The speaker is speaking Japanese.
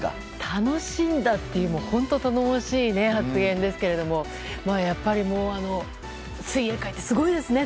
楽しんだっていうのは本当に頼もしい発言ですけどやっぱり水泳界ってすごいですね。